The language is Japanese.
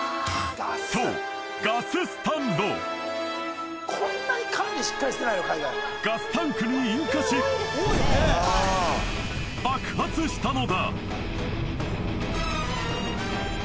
そうガススタンドガスタンクに引火し爆発したのだ！